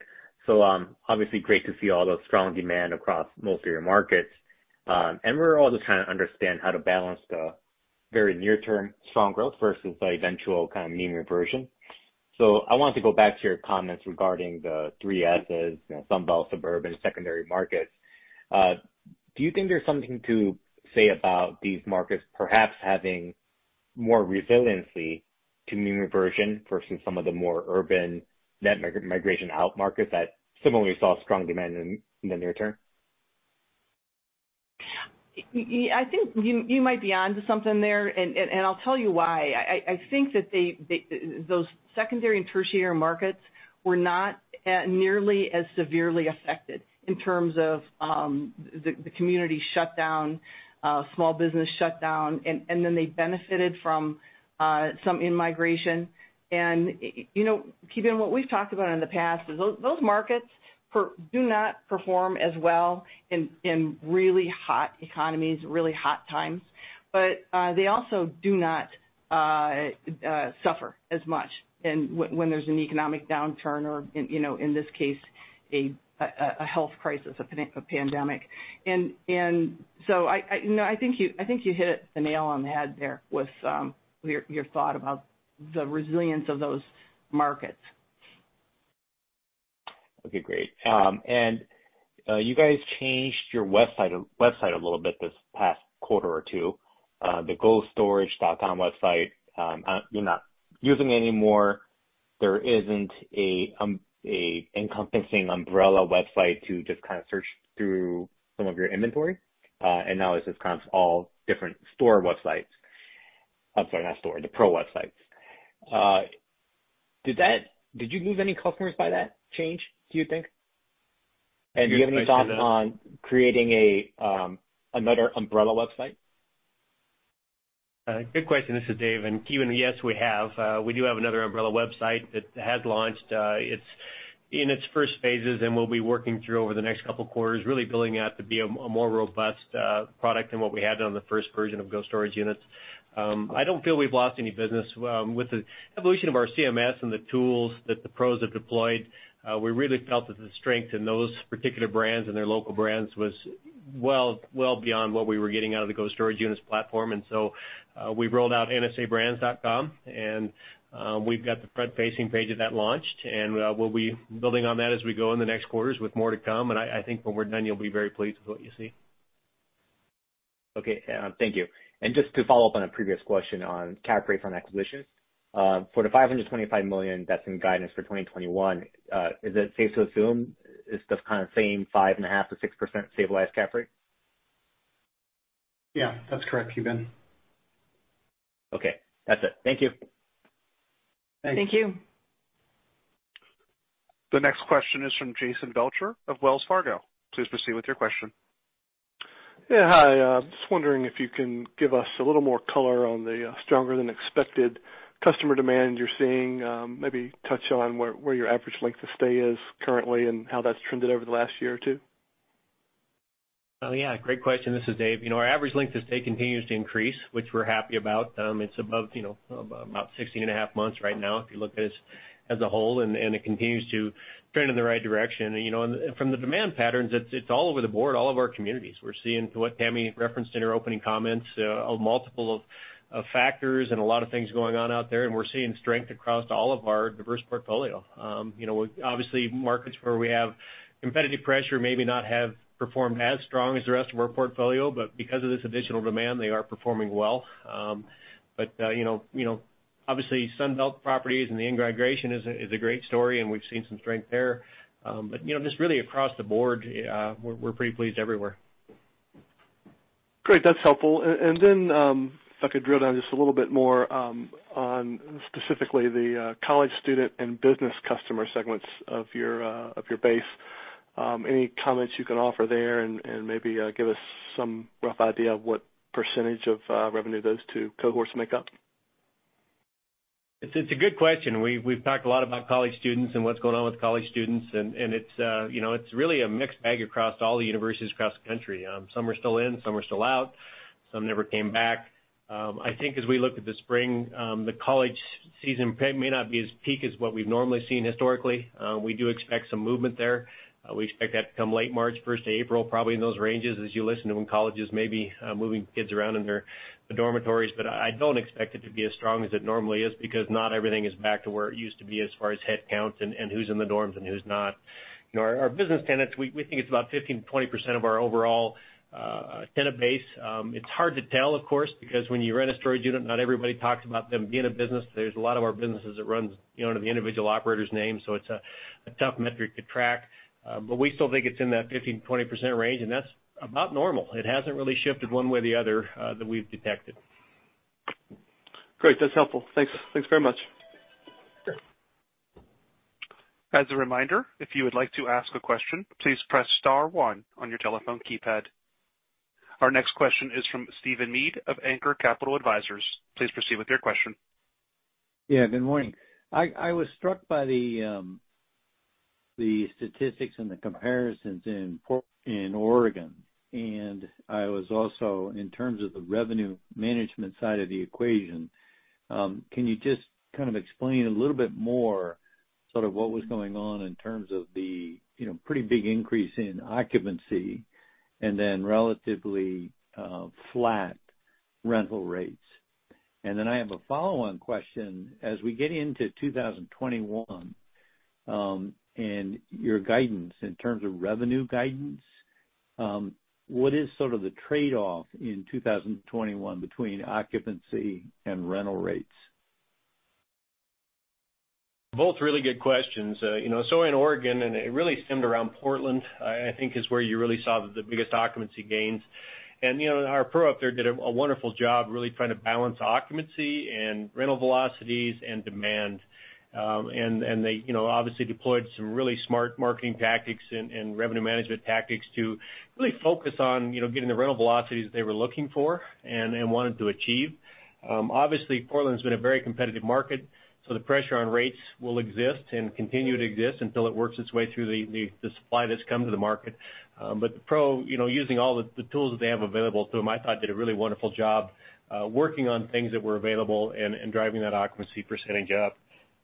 [SPEAKER 12] Obviously great to see all the strong demand across most of your markets. We're all just trying to understand how to balance the very near term strong growth versus the eventual kind of mean reversion. I wanted to go back to your comments regarding the Three S's, sunbelt, suburban, secondary markets. Do you think there's something to say about these markets perhaps having more resiliency to mean reversion versus some of the more urban net migration out markets that similarly saw strong demand in the near term.
[SPEAKER 3] I think you might be onto something there, and I'll tell you why. I think that those secondary and tertiary markets were not nearly as severely affected in terms of the community shutdown, small business shutdown, and then they benefited from some in-migration. Ki Bin, what we've talked about in the past is those markets do not perform as well in really hot economies, really hot times. They also do not suffer as much when there's an economic downturn or, in this case, a health crisis, a pandemic. I think you hit the nail on the head there with your thought about the resilience of those markets.
[SPEAKER 12] Okay, great. You guys changed your website a little bit this past quarter or two. The gostorage.com website you're not using anymore. There isn't an encompassing umbrella website to just kind of search through some of your inventory, and now it's just kind of all different store websites. I'm sorry, not store, the PRO websites. Did you lose any customers by that change, do you think? Do you have any thoughts on creating another umbrella website?
[SPEAKER 6] Good question. This is Dave. Ki Bin, yes, we have. We do have another umbrella website that has launched. It's in its first phases, and we'll be working through over the next couple of quarters, really building out to be a more robust product than what we had on the first version of Go Storage Units. I don't feel we've lost any business. With the evolution of our CMS and the tools that the PROs have deployed, we really felt that the strength in those particular brands and their local brands was well beyond what we were getting out of the Go Storage Units platform. We've rolled out nsabrands.com, and we've got the front-facing page of that launched, and we'll be building on that as we go in the next quarters with more to come. I think when we're done, you'll be very pleased with what you see.
[SPEAKER 12] Okay. Thank you. Just to follow up on a previous question on cap rate from acquisition. For the $525 million that's in guidance for 2021, is it safe to assume it's the kind of same 5.5%-6% stabilized cap rate?
[SPEAKER 6] Yeah, that's correct, Ki Bin.
[SPEAKER 12] Okay. That's it. Thank you.
[SPEAKER 6] Thanks.
[SPEAKER 3] Thank you.
[SPEAKER 1] The next question is from Jason Belcher of Wells Fargo. Please proceed with your question.
[SPEAKER 13] Yeah, hi. Just wondering if you can give us a little more color on the stronger than expected customer demand you're seeing. Maybe touch on where your average length of stay is currently and how that's trended over the last year or two.
[SPEAKER 6] Yeah, great question. This is Dave. Our average length of stay continues to increase, which we're happy about. It's above about 16 and a half months right now if you look at it as a whole, and it continues to trend in the right direction. From the demand patterns, it's all over the board, all of our communities. We're seeing what Tamara referenced in her opening comments, a multiple of factors and a lot of things going on out there, and we're seeing strength across all of our diverse portfolio. Obviously, markets where we have competitive pressure maybe not have performed as strong as the rest of our portfolio, but because of this additional demand, they are performing well. Obviously Sunbelt properties and the in-migration is a great story and we've seen some strength there. Just really across the board, we're pretty pleased everywhere.
[SPEAKER 13] Great. That's helpful. If I could drill down just a little bit more on specifically the college student and business customer segments of your base. Any comments you can offer there and maybe give us some rough idea of what percentage of revenue those two cohorts make up?
[SPEAKER 6] It's a good question. We've talked a lot about college students and what's going on with college students, and it's really a mixed bag across all the universities across the country. Some are still in, some are still out, some never came back. I think as we look at the spring, the college season may not be as peak as what we've normally seen historically. We do expect some movement there. We expect that to come late March, first of April, probably in those ranges as you listen to when colleges may be moving kids around in their dormitories. I don't expect it to be as strong as it normally is because not everything is back to where it used to be as far as head counts and who's in the dorms and who's not. Our business tenants, we think it's about 15%-20% of our overall tenant base. It's hard to tell, of course, because when you rent a storage unit, not everybody talks about them being a business. There's a lot of our businesses that runs under the individual operator's name, so it's a tough metric to track. We still think it's in that 15%-20% range, and that's about normal. It hasn't really shifted one way or the other that we've detected.
[SPEAKER 13] Great. That's helpful. Thanks very much.
[SPEAKER 6] Sure.
[SPEAKER 1] As a reminder, if you would like to ask a question, please press star one on your telephone keypad. Our next question is from Stephen Mead of Anchor Capital Advisors. Please proceed with your question.
[SPEAKER 14] Yeah, good morning. I was struck by the statistics and the comparisons in Oregon. I was also, in terms of the revenue management side of the equation, can you just kind of explain a little bit more sort of what was going on in terms of the pretty big increase in occupancy and then relatively flat rental rates? Then I have a follow-on question, as we get into 2021 and your guidance in terms of revenue guidance, what is sort of the trade-off in 2021 between occupancy and rental rates?
[SPEAKER 6] Both really good questions. In Oregon, and it really stemmed around Portland, I think is where you really saw the biggest occupancy gains. Our PRO up there did a wonderful job really trying to balance occupancy and rental velocities and demand. They obviously deployed some really smart marketing tactics and revenue management tactics to really focus on getting the rental velocities they were looking for and wanted to achieve. Obviously, Portland's been a very competitive market, so the pressure on rates will exist and continue to exist until it works its way through the supply that's come to the market. The PRO, using all the tools that they have available to them, I thought did a really wonderful job working on things that were available and driving that occupancy percentage up.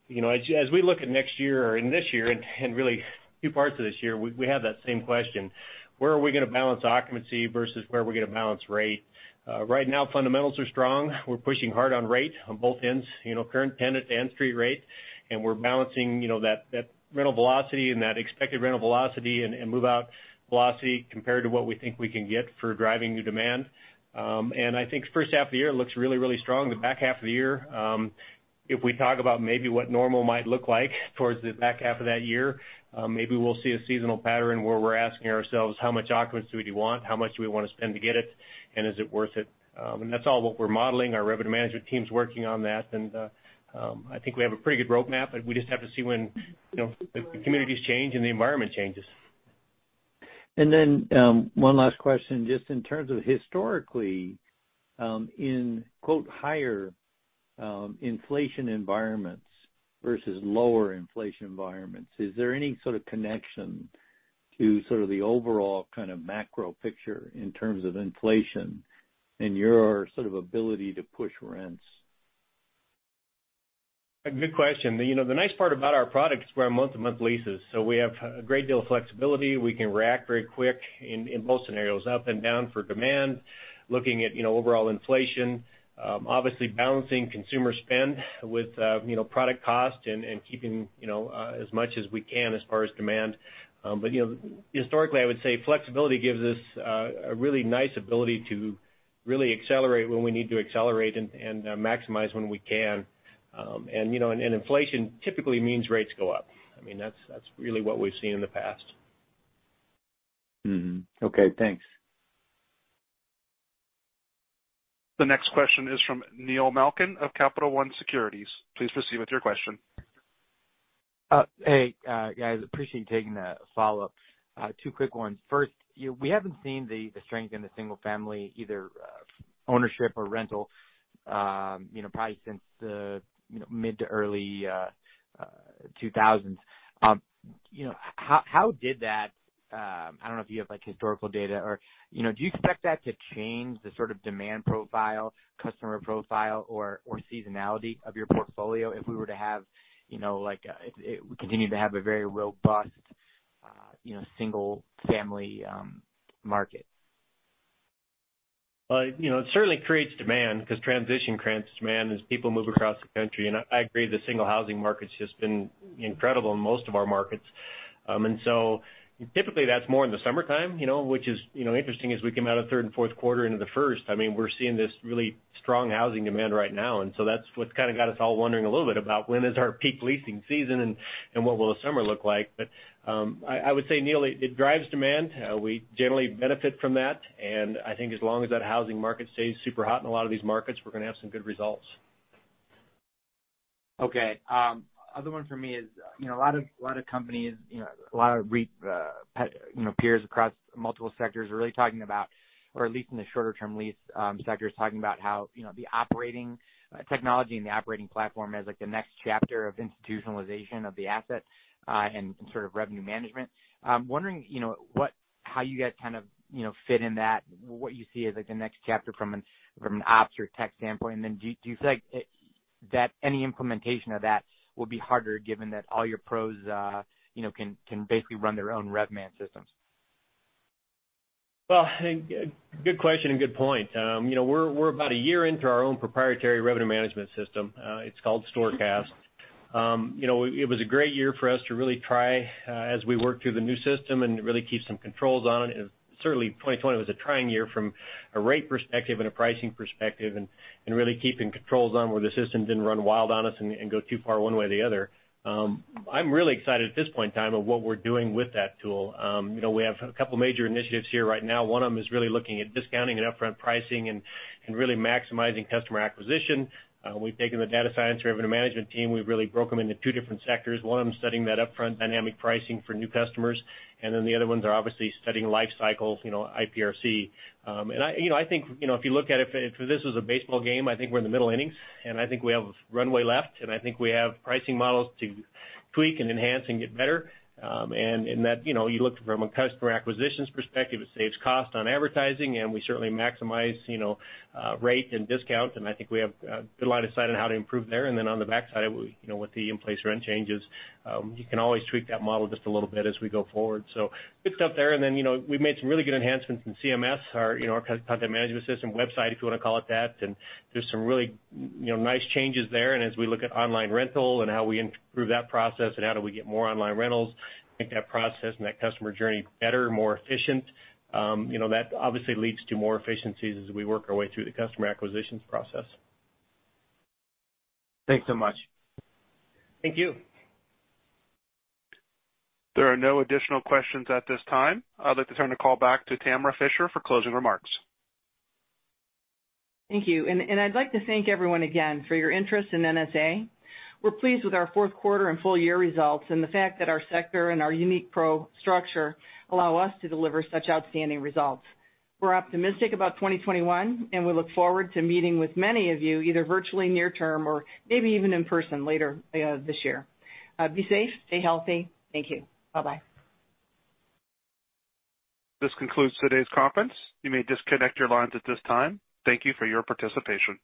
[SPEAKER 6] As we look at next year and this year and really two parts of this year, we have that same question. Where are we going to balance occupancy versus where are we going to balance rate? Right now, fundamentals are strong. We're pushing hard on rate on both ends, current tenant and street rate, and we're balancing that rental velocity and that expected rental velocity and move-out velocity compared to what we think we can get for driving new demand. I think the first half of the year looks really, really strong. The back half of the year, if we talk about maybe what normal might look like towards the back half of that year, maybe we'll see a seasonal pattern where we're asking ourselves, how much occupancy do we want? How much do we want to spend to get it, and is it worth it? That's all what we're modeling. Our revenue management team's working on that, and I think we have a pretty good roadmap, but we just have to see when the communities change and the environment changes.
[SPEAKER 14] One last question, just in terms of historically, in quote, higher inflation environments versus lower inflation environments, is there any sort of connection to sort of the overall kind of macro picture in terms of inflation and your sort of ability to push rents?
[SPEAKER 6] A good question. The nice part about our product is we're month-to-month leases, we have a great deal of flexibility. We can react very quick in most scenarios, up and down for demand, looking at overall inflation. Obviously balancing consumer spend with product cost and keeping as much as we can as far as demand. Historically, I would say flexibility gives us a really nice ability to really accelerate when we need to accelerate and maximize when we can. Inflation typically means rates go up. That's really what we've seen in the past.
[SPEAKER 14] Okay, thanks.
[SPEAKER 1] The next question is from Neil Malkin of Capital One Securities. Please proceed with your question.
[SPEAKER 7] Hey, guys. Appreciate you taking the follow-up. Two quick ones. First, we haven't seen the strength in the single family, either ownership or rental, probably since the mid to early 2000s. I don't know if you have historical data, or do you expect that to change the sort of demand profile, customer profile or seasonality of your portfolio if we were to continue to have a very robust single-family market?
[SPEAKER 6] It certainly creates demand because transition creates demand as people move across the country. I agree, the single housing market's just been incredible in most of our markets. Typically, that's more in the summertime, which is interesting as we come out of third and fourth quarter into the first. That's what's kind of got us all wondering a little bit about when is our peak leasing season and what will the summer look like. I would say, Neil, it drives demand. We generally benefit from that, and I think as long as that housing market stays super hot in a lot of these markets, we're going to have some good results.
[SPEAKER 7] Okay. Other one for me is, a lot of companies, a lot of REIT peers across multiple sectors are really talking about, or at least in the shorter-term lease sector, is talking about how the operating technology and the operating platform as like the next chapter of institutionalization of the asset and sort of revenue management. I'm wondering how you guys kind of fit in that, what you see as like the next chapter from an ops or tech standpoint. Do you feel like that any implementation of that will be harder given that all your pros can basically run their own rev man systems?
[SPEAKER 6] Well, good question and good point. We're about a year into our own proprietary revenue management system. It's called StoreCast. It was a great year for us to really try as we work through the new system and really keep some controls on it. Certainly, 2020 was a trying year from a rate perspective and a pricing perspective and really keeping controls on where the system didn't run wild on us and go too far one way or the other. I'm really excited at this point in time of what we're doing with that tool. We have a couple major initiatives here right now. One of them is really looking at discounting and upfront pricing and really maximizing customer acquisition. We've taken the data science revenue management team. We've really broke them into two different sectors. One of them is studying that upfront dynamic pricing for new customers, the other ones are obviously studying life cycles, in-place tenant rate change. I think if you look at it, if this was a baseball game, I think we're in the middle innings, and I think we have runway left, and I think we have pricing models to tweak and enhance and get better. In that, you look from a customer acquisitions perspective, it saves cost on advertising, and we certainly maximize rate and discount, and I think we have a good line of sight on how to improve there. On the back side, with the in-place rent changes, you can always tweak that model just a little bit as we go forward. Good stuff there. We've made some really good enhancements in CMS, our content management system website, if you want to call it that. There's some really nice changes there. As we look at online rental and how we improve that process and how do we get more online rentals, make that process and that customer journey better, more efficient. That obviously leads to more efficiencies as we work our way through the customer acquisitions process.
[SPEAKER 7] Thanks so much.
[SPEAKER 6] Thank you.
[SPEAKER 1] There are no additional questions at this time. I'd like to turn the call back to Tamara Fischer for closing remarks.
[SPEAKER 3] Thank you. I'd like to thank everyone again for your interest in NSA. We're pleased with our fourth quarter and full year results, the fact that our sector and our unique PRO structure allow us to deliver such outstanding results. We're optimistic about 2021, we look forward to meeting with many of you, either virtually near term or maybe even in person later this year. Be safe, stay healthy. Thank you. Bye-bye.
[SPEAKER 1] This concludes today's conference. You may disconnect your lines at this time. Thank you for your participation.